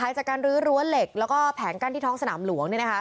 จากการรื้อรั้วเหล็กแล้วก็แผงกั้นที่ท้องสนามหลวง